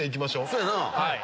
そやな。